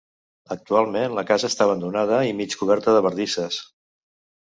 Actualment la casa està abandonada i mig coberta de bardisses.